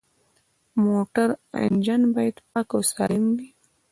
د موټر انجن باید پاک او سالم وي.